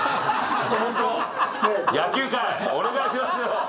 野球界お願いしますよ。